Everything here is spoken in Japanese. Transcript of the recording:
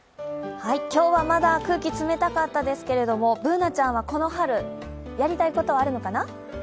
今日はまだ空気冷たかったですけれども、Ｂｏｏｎａちゃんはこの春、やりたいことあるのかな？